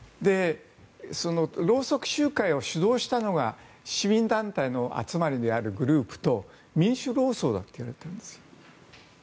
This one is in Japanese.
ろうそく集会を主導したのが市民団体の集まりであるグループと民主労総だといわれているんです。